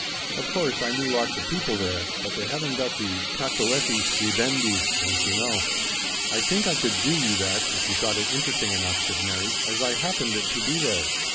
Of course I knew lots of people there, but they haven't got the cacoethes scribendi } don't you know." "I think I could do you that, if you thought it interesting enough," said Mary, " as I happened to be there."